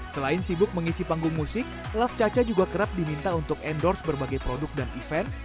selain sibuk mengisi panggung musik laf caca juga kerap diminta untuk endorse berbagai produk dan event